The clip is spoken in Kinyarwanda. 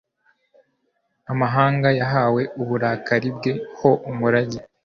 amahanga yahawe uburakari bwe ho umurage